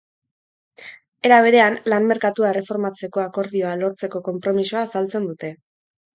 Era berean, lan-merkatua erreformatzeko akordioa lortzeko konpromisoa azaltzen dute.